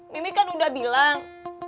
mimi kan udah bilang